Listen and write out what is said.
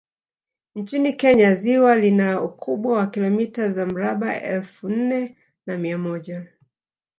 Nchini Kenya ziwa lina ukubwa wa kilomita za mraba elfu nne na mia moja